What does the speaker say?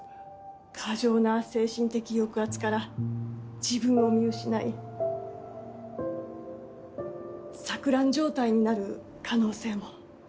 過剰な精神的抑圧から自分を見失い錯乱状態になる可能性も。